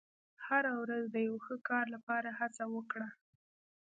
• هره ورځ د یو ښه کار لپاره هڅه وکړه.